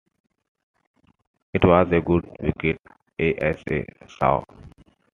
It was a good wicket, Asa saw.